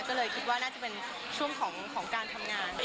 ก็เลยคิดว่าน่าจะเป็นช่วงของการทำงาน